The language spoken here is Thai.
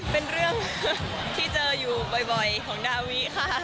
เป็นเรื่องที่เจออยู่บ่อยของดาวิค่ะ